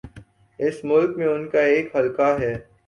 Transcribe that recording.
اس ملک میں ان کا ایک حلقہ ہے۔